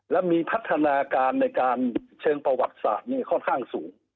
และมีพัฒนาการในการเชิงประวัติศาสตร์ค่อนข้างสูง